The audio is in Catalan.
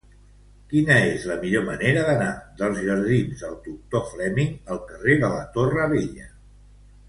Quina és la millor manera d'anar dels jardins del Doctor Fleming al carrer de la Torre Vella?